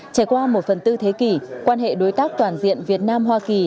trải qua một phần tư thế kỷ quan hệ đối tác toàn diện việt nam hoa kỳ